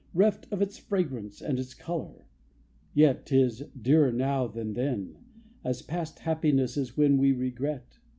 Reft Of its fragrance and its color, Yet 'tis dearer now than then, As past happiness is when We regret.